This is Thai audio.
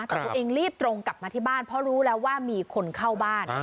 แต่ตัวเองรีบตรงกลับมาที่บ้านเพราะรู้แล้วว่ามีคนเข้าบ้าน